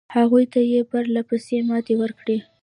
هغوی ته یې پرله پسې ماتې ورکړې.